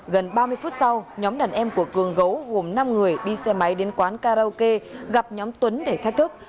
gần ba mươi phút sau nhóm đàn em của cường gấu gồm năm người đi xe máy đến quán karaoke gặp nhóm tuấn để thách thức